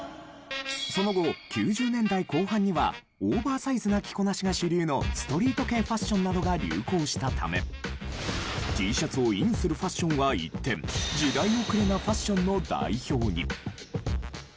その後９０年代後半にはオーバーサイズな着こなしが主流のストリート系ファッションなどが流行したためＴシャツをインするファッションは一転時代遅れなファッションの代表に。